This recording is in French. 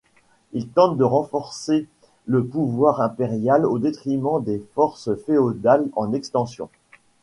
Il tente de renforcer le pouvoir impérial au détriment des forces féodales en extension.